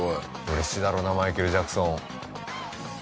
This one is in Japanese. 嬉しいだろうなマイケル・ジャクソン。